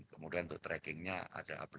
kemudian untuk trackingnya ada